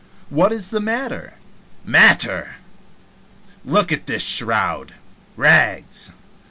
What is the matter?" "Matter! Look at this shroud rags.